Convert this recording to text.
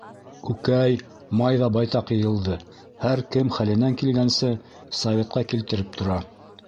Күкәй, май ҙа байтаҡ йыйылды, һәр кем хәленән килгәнсә советҡа килтереп тора.